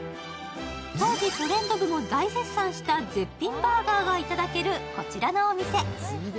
当時、「トレンド部」も大絶賛した絶品バーガーがいただけるこちらのお店。